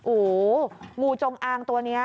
โอ้โหงูจงอางตัวนี้